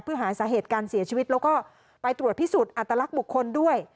เพื่อหาสาเหตุการเสียชีวิตแล้วก็ไปตรวจพิสูจน์อัตลักษณ์บุคคลด้วย